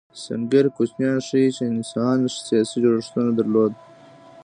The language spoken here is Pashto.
سنګیر کوچنیان ښيي، چې انسان سیاسي جوړښتونه درلودل.